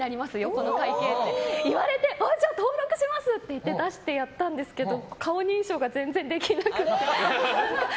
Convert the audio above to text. この会計って言われてあ、じゃあ登録しますってやったんですけど顔認証が全然できなくて。